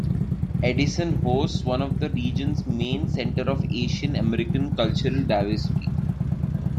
Edison hosts one of the region's main centers of Asian American cultural diversity.